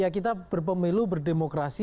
kita berpemilu berdemokrasi